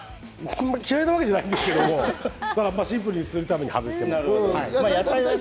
嫌いなわけじゃないんですけど、シンプルにするため外しました。